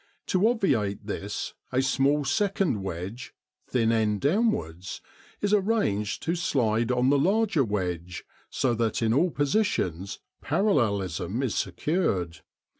To obviate this a small second wedge, thin end downwards, is arranged to slide on the larger wedge, so that in all positions parallelism is secured.